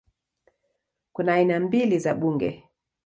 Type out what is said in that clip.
Kuna aina mbili za bunge